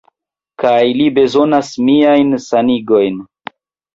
Kaj li bezonas miajn sanigojn.